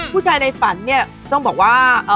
ผู้ชายในฝันเนี่ยต้องบอกว่า